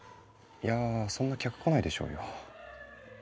いやそんな客来ないでしょうよ。